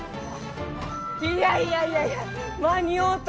いやいやいやいや間に合うた！